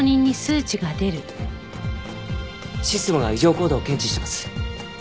システムが異常行動を検知してます。